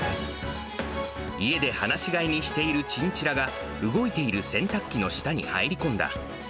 家で放し飼いにしているチンチラが、動いている洗濯機の下に入り込んだ。